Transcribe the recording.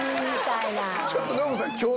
ちょっとノブさん。